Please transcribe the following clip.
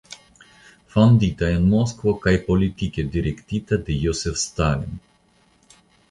Fondita en Moskvo kaj politike direktata de Josef Stalin.